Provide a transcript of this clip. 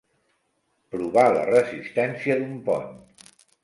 Provar la resistència d'un pont.